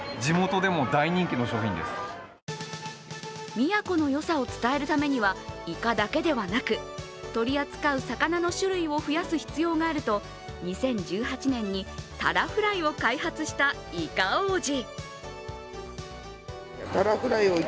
宮古の良さを伝えるためにはイカだけではなく取り扱う魚の種類を増やす必要があると２０１８年に、タラフライを開発したイカ王子。